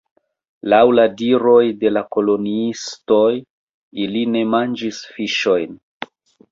Laŭ la diroj de la koloniistoj, ili ne manĝis fiŝojn.